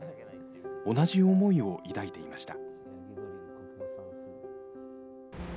同じ思いを抱いていました。